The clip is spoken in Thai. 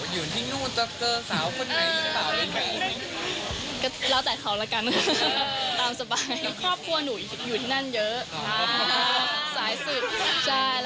อยู๋นที่นู้นแล้วคือสาวคนไหนต่ายังไง